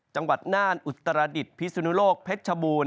จังหวัดน่านอุตรดิษฐ์พิสุนุโลกเพชรชบูรณ